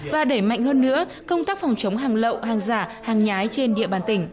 và đẩy mạnh hơn nữa công tác phòng chống hàng lậu hàng giả hàng nhái trên địa bàn tỉnh